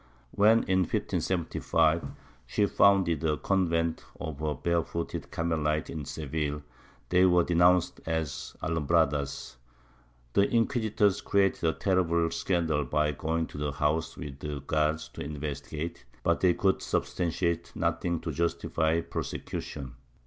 When, in 1575, she founded a convent of her Barefooted Carme lites in Seville, they were denounced as Alumhradas; the inquis itors created a terrible scandal by going to the house with the guards to investigate, but they could substantiate nothing to justify prosecution.